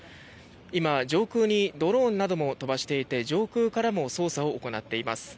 今、上空にドローンなども飛ばしていて上空からも捜査を行っています。